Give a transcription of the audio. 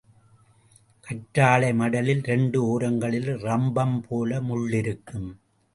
கற்றாழைமடலில் இரண்டு ஓரங்களிலும் ரம்பம் போல முள் இருக்கும்.